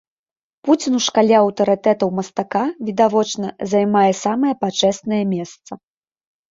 Пуцін у шкале аўтарытэтаў мастака, відавочна, займае самае пачэснае месца.